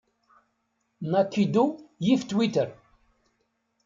Nakido yif Twitter.